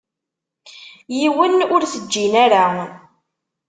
Yiwen ur t-ǧǧin ara.